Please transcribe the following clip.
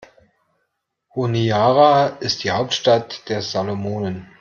Honiara ist die Hauptstadt der Salomonen.